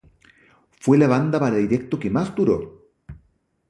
Fue la banda para directo que más duró.